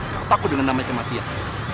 kau takut dengan nama kematian